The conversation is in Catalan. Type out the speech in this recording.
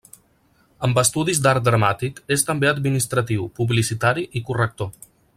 Amb estudis d'art dramàtic, és també administratiu, publicitari i corrector.